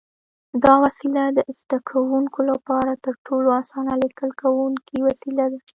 دا وسیله د زده کوونکو لپاره تر ټولو اسانه لیکل کوونکی وسیله ده.